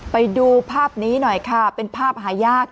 ไปดูภาพนี้หน่อยค่ะเป็นภาพหายาก